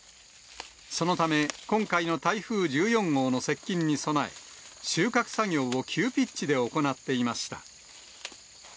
そのため、今回の台風１４号の接近に備え、収穫作業を急ピッチで行っていました。